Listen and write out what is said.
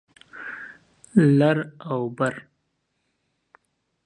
لر او بر